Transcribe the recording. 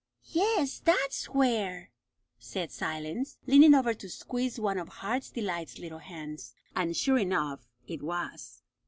"Yes, that's where," said Silence, leaning over to squeeze one of Heart's Delight's little hands. And sure enough, it was.